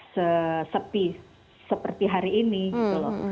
sesepi seperti hari ini gitu loh